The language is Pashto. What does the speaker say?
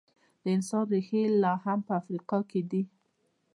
د انسان ریښې لا هم په افریقا کې دي.